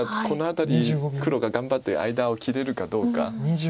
この辺り黒が頑張って間を切れるかどうか。